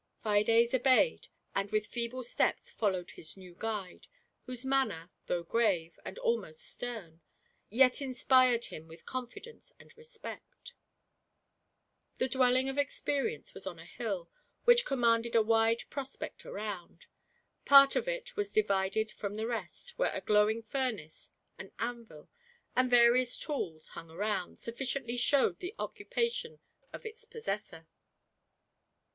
Fides obeyed, and with feeble steps followed his new guide, whose manner, though grave, and almost stem, yet inspired him with confidence and respect. The dwelling of Experience was on a hill, which commanded a wide prospect around. Part of it was divided from the rest, where a glowing furnace, an anvil, and various tools hung around, sufficiently showed the occupation of its possessor.